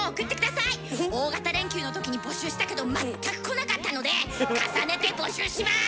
大型連休の時に募集したけど全く来なかったので重ねて募集します！